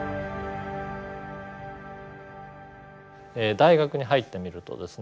大学に入ってみるとですね